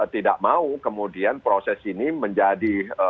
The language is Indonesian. tidak mau kemudian proses ini menjadi